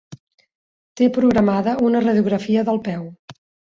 Té programada una radiografia del peu.